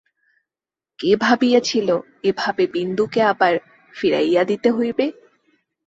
কে ভাবিয়াছিল এভাবে বিন্দুকে আবার ফিরাইয়া দিতে হইবে।